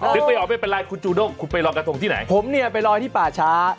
ไม่ออกไม่เป็นไรคุณจูด้งคุณไปลอยกระทงที่ไหนผมเนี่ยไปลอยที่ป่าช้า